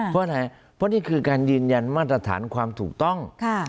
เพราะอะไรเพราะนี่คือการยืนยันมาตรฐานความถูกต้อง